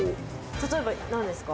例えば何ですか？